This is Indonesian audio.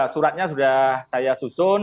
suratnya sudah saya susun